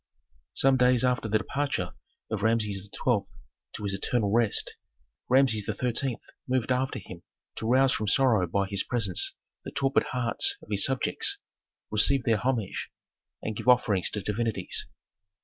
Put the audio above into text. Some days after the departure of Rameses XII. to his eternal rest, Rameses XIII. moved after him to rouse from sorrow by his presence the torpid hearts of his subjects, receive their homage and give offerings to divinities.